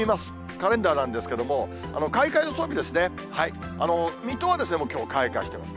カレンダーなんですけども、開花予想日ですね、水戸はもう、きょう開花してます。